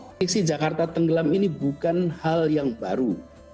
prediksi jakarta tenggelam ini bukan hal yang baru